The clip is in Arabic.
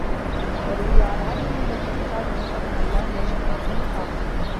وَرُوِيَ عَنْ عَلِيِّ بْنِ أَبِي طَالِبٍ كَرَّمَ اللَّهُ وَجْهَهُ أَنَّهُ قَالَ